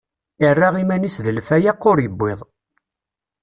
Irra iman-is d lfayeq, ur iwwiḍ.